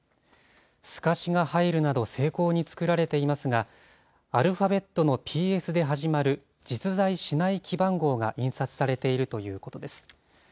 透かしが入るなど、精巧に作られていますが、アルファベットのＰＳで始まる実在しない記番号が印刷されているということです。